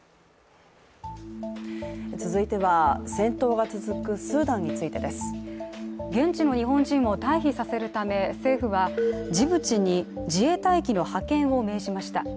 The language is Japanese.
続いては、戦闘が続くスーダンについてです。現地の日本人を退避させるため、政府はジブチに自衛隊機の派遣を命じました。